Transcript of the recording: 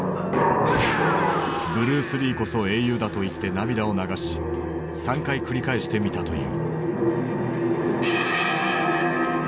「ブルース・リーこそ英雄だ」と言って涙を流し３回繰り返して見たという。